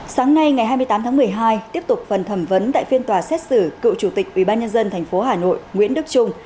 sáng nay ngày hai mươi tám tháng một mươi hai tiếp tục phần thẩm vấn tại phiên tòa xét xử cựu chủ tịch ubnd tp hà nội nguyễn đức trung